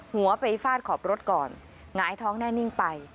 หัวไปฟาดขอบรถก่อนหงายท้องแน่นิ่งไป